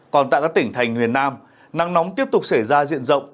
còn tại các tỉnh thành nguyên nam nắng nóng tiếp tục xảy ra diện rộng